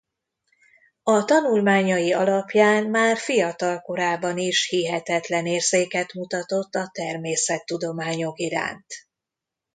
A tanulmányai alapján már fiatal korában is hihetetlen érzéket mutatott a természettudományok iránt.